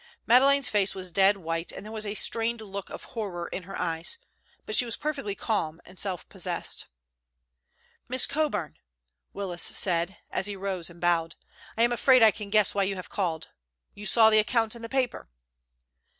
Madeleine's face was dead white and there was a strained look of horror in her eyes, but she was perfectly calm and sell possessed. "Miss Coburn?" Willis said, as he rose and bowed. "I am afraid I can guess why you have called. You saw the account in the paper?"